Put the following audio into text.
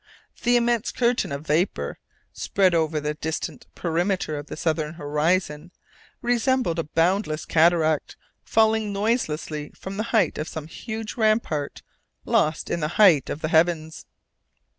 The immense curtain of vapour, spread over the distant perimeter of the southern horizon resembled a boundless cataract falling noiselessly from the height of some huge rampart lost in the height of the heavens.